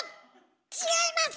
違います！